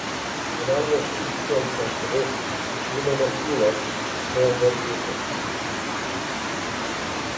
An annual student film festival, Lumenocular, is held every April.